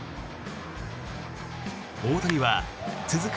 大谷は続く